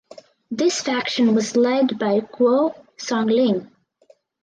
This faction was led by Guo Songling.